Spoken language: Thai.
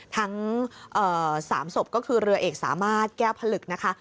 ทั้ง๓ศพก็คือเรือเอกสามารถแก้วผลึกนะคะ